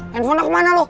handphonenya kemana lu